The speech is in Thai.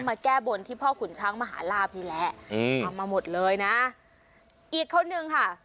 มาแก้บนที่พ่อขุนช้างมหาลาบนี่แหละอืมทำมาหมดเลยนะอีกคนนึงค่ะ